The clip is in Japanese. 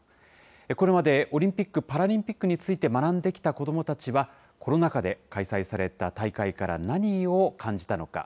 これまでオリンピック・パラリンピックについて学んできた子どもたちは、コロナ禍で開催された大会から何を感じたのか。